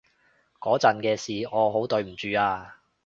嗰陣嘅事，我好對唔住啊